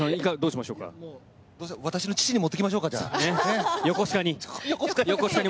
私の父に持っていきましょう横須賀に。